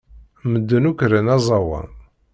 Medden akk ran aẓawan.